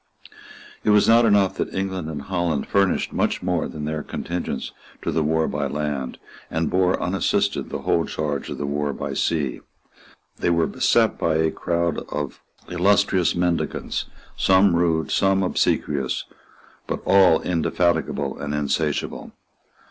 It was not enough that England and Holland furnished much more than their contingents to the war by land, and bore unassisted the whole charge of the war by sea. They were beset by a crowd of illustrious mendicants, some rude, some obsequious, but all indefatigable and insatiable.